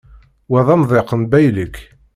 Wa d amḍiq n baylek.